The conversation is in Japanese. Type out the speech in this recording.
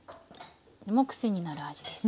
とても癖になる味です。